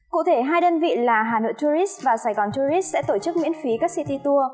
cụ thể hai đơn vị là hà nội tourist và sài gòn tourist sẽ tổ chức miễn phí các city tour